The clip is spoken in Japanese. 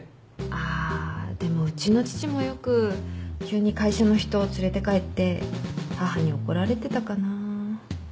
あでもうちの父もよく急に会社の人連れて帰って母に怒られてたかな。